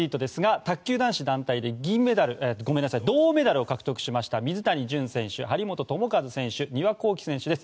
卓球男子団体で銅メダルを獲得しました水谷隼選手、張本智和選手丹羽孝希選手です。